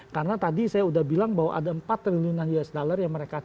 karena tadi saya udah bilang bahwa ada empat triliunan us dollar yang mereka cetak